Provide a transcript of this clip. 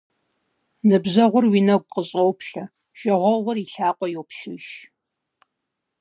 Ныбжьэгъур уи нэгу къыщӏоплъэ, жагъуэгъур и лъакъуэ йоплъых.